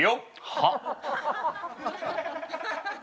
はっ！